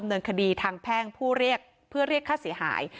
เนินคดีทางแพ่งผู้เรียกเพื่อเรียกค่าเสียหาย